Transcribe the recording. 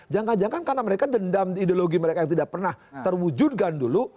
jangan jangan karena mereka dendam ideologi mereka yang tidak pernah terwujudkan dulu